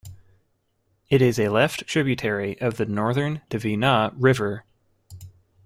It is a left tributary of the Northern Dvina River.